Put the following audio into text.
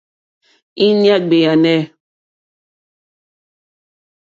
Íɲá ɡbèànè.